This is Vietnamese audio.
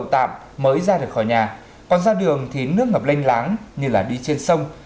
tạm mới ra được khỏi nhà còn ra đường thì nước ngập lênh láng như là đi trên sông